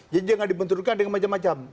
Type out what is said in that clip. jadi jangan dipenterukan dengan macam macam